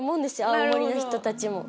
青森の人たちも。